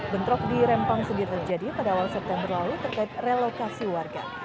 bentrok di rempang sendiri terjadi pada awal september lalu terkait relokasi warga